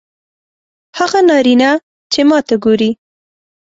هغه نارینه چې ماته ګوري